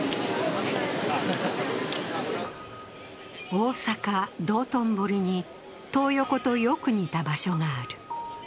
大阪・道頓堀にトー横とよく似た場所がある。